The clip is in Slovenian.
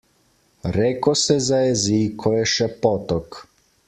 Reko se zajezi, ko je še potok.